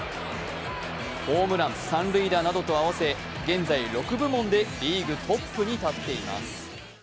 ホームラン、三塁打などと合わせ現在６部門でリーグトップに立っています。